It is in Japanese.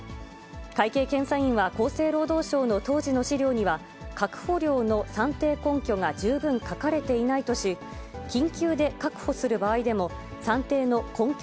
会計検査院は厚生労働省の当時の資料には、確保量の算定根拠が十分書かれていないとし、緊急で確保する場合でも、算定の根拠